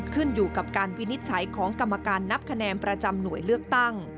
ขึ้นอยู่กับการวินิจฉัยของกรรมการนับคะแนนประจำหน่วยเลือกตั้ง